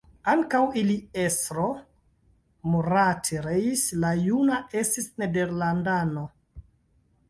Ankaŭ ili estro, Murat Reis la Juna estis nederlandano.